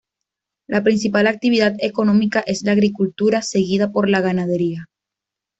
La principal actividad económica es la agricultura seguida por la ganadería.